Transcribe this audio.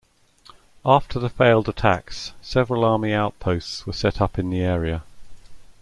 After the failed attacks, several army outposts were set up in the area.